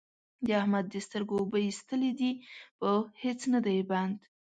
د احمد د سترګو اوبه اېستلې دي؛ په هيڅ نه دی بند،